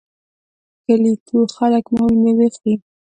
په کلیو کې خلک خپلې میوې خوري.